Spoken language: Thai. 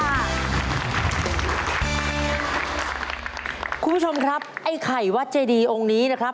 คุณผู้ชมครับไอ้ไข่วัดเจดีองค์นี้นะครับ